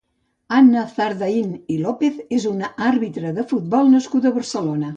Anna Zardaín i López és una àrbitra de futbol nascuda a Barcelona.